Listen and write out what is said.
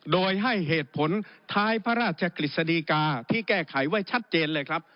โดยให้เหตุผลท้ายพระราชกฤษฎีกาที่แก้ไขไว้ชัดเจนเลยครับ